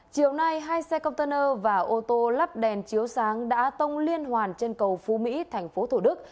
chiều nay hai xe container và ô tô lắp đèn chiếu sáng đã tông liên hoàn trên cầu phú mỹ thành phố thổ đức